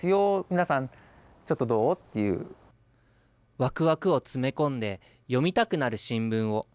わくわくを詰め込んで、読みたくなる新聞を。